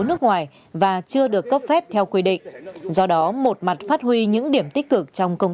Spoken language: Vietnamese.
nước ngoài và chưa được cấp phép theo quy định do đó một mặt phát huy những điểm tích cực trong công